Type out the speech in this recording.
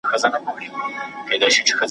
لویه خدایه د پېړیو ویده بخت مو را بیدار کې `